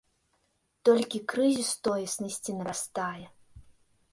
Толькі крызіс тоеснасці нарастае.